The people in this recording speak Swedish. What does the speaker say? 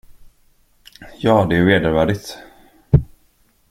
Ja, det är vedervärdigt.